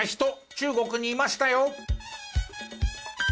中国にいましたよ！